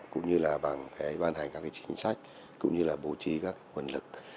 cũng như là bằng cái ban hành các cái chính sách cũng như là bố trí các cái quân lực